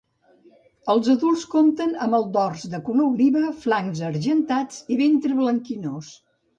Els adults compten amb el dors de color oliva, flancs argentats i ventre blanquinós.